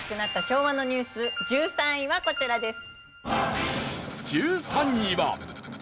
昭和のニュース１３位はこちらです。